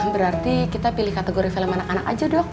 berarti kita pilih kategori film anak anak aja dok